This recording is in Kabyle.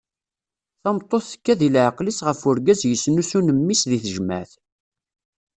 Tameṭṭut tekka deg leɛqel-is ɣef urgaz yesnusun mmi-s deg tejmeɛt!